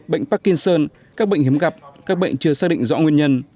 bệnh parkinson các bệnh hiếm gặp các bệnh chưa xác định rõ nguyên nhân